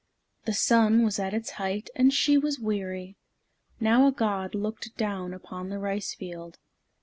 The sun was at its height, and she was weary. Now a god looked down upon the rice field.